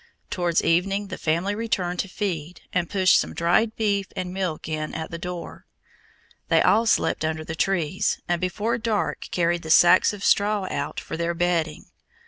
Towards evening the family returned to feed, and pushed some dried beef and milk in at the door. They all slept under the trees, and before dark carried the sacks of straw out for their bedding.